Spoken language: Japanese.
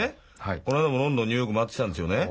この間もロンドンニューヨーク回ってきたんですよね。